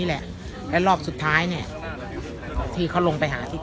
ราบสุดท้ายลงไปหาลบที่ก้อ